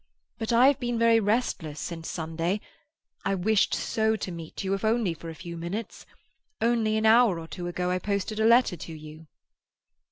But I have been very restless since Sunday. I wished so to meet you, if only for a few minutes. Only an hour or two ago I posted a letter to you."